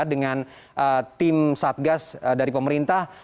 dengan tim satgas dari pemerintah